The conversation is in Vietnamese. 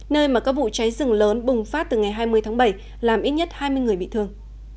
nơi mà các vụ cháy rừng lớn bùng phát từ ngày hai mươi tháng bảy làm ít nhất hai mươi người bị thương